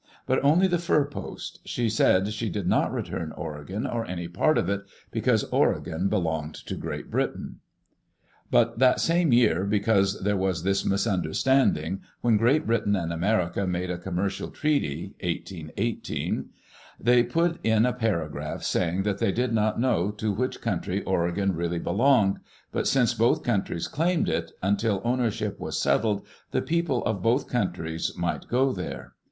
But only the fur post; she said she did not return Oregon, or any part of it, because Oregon belonged to Great Britain. Digitized by CjOOQ IC WHO OWNED THE "OREGON COUNTRY"? But that same year, because there was this misunder* standing, when Great Britain and America made a com mercial treaty (1818), they put in a paragraph saying that they did not know to which country Oregon really belonged; but since both countries claimed it, until owner ship was settled the people of both countries might go there.